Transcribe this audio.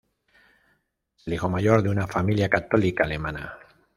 Es el hijo mayor de una familia católica alemana.